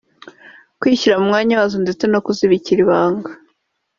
kwishyira mu mwanya wazo ndetse no kuzibikira ibanga